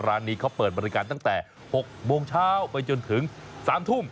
ร้านนี้เขาเปิดบริการตั้งแต่๖โมงเช้าไปจนถึง๓ทุ่ม